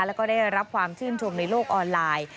แล้วก็ได้รับความชื่นชมในโลกออนไลน์